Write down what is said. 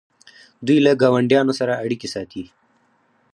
دوی له ګاونډیانو سره اړیکې ساتي.